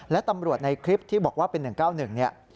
และตำรวจในคลิปที่บอกว่าเป็น๑๙๑เนี่ย